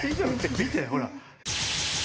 見てほら。